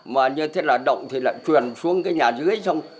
mà như thế là động thì lại truyền xuống cái nhà dưới ấy xong